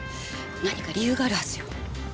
何か理由があるはずよ。